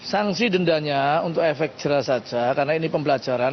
sanksi dendanya untuk efek jerah saja karena ini pembelajaran